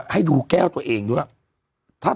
ให้ดูแก้วตัวเองด้วย